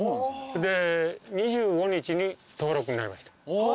で２５日に登録になりました。